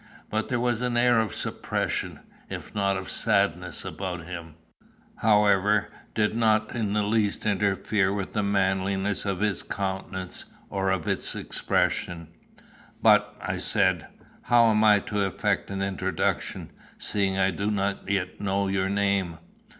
But there was an air of suppression, if not of sadness, about him, however, did not in the least interfere with the manliness of his countenance, or of its expression. "But," I said, "how am I to effect an introduction, seeing I do not yet know your name."